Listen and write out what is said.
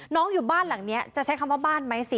อยู่บ้านหลังนี้จะใช้คำว่าบ้านไหมสิ